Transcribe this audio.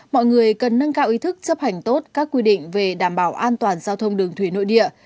mọi người cần nâng cao ý thức chấp hành tốt các quy định về đảm bảo an toàn giao thông đường thủy nội địa